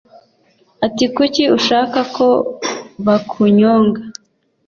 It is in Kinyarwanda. atikuki ushaka ko bakunyonga